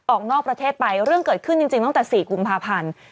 ออกนอกประเทศไปเรื่องเกิดขึ้นจริงตั้งแต่๔กุมภาพันธ์